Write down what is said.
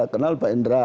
kenal pak indra